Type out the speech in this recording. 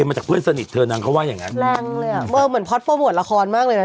มาจากเพื่อนสนิทเธอนางเขาว่าอย่างงั้นแรงเลยอ่ะเออเหมือนพอร์ตโปรโมทละครมากเลยนะ